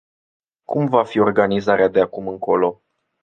Cum va fi organizarea de acum încolo?